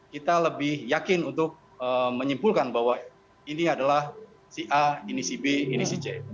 kita lebih yakin untuk menyimpulkan bahwa ini adalah si a ini si b ini si c